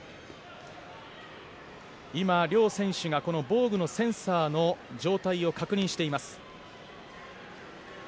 今、両選手が防具のセンサーの状態を確認しています。